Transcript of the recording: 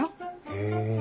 へえ。